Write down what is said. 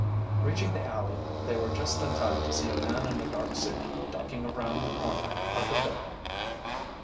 Reaching the alley, they were just in time to see a man in a dark suit ducking around the corner of the building.